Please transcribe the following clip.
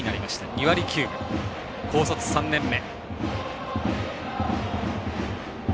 ２割９分、高卒３年目。